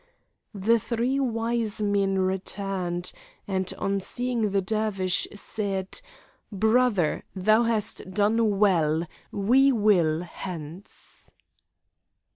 The three wise men returned, and, on seeing the Dervish, said: "Brother, thou hast done well; we will hence."